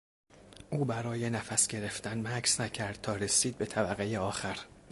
او برای نفس گرفتن مکث نکرد تا رسید به طبقهی آخر.